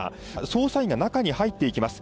捜査員が中に入っていきます。